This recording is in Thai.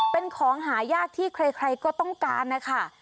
เป็นของหายากที่ใครก็ต้องการนะคะ